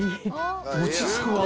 落ち着くわ。